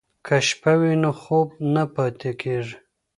که شپه وي نو خوب نه پاتې کیږي.